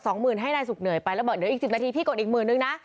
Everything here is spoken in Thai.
ก็กดอีก๒๐๐๐๐ให้นายสุขเหนื่อยไปแล้วบอกเดี๋ยวอีก๑๐นาทีพี่กดอีก๑๐๐๐๐นะ